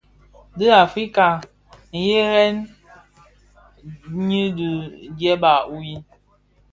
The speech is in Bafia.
Di Afrika nghëghèn nyi di ndieba wui.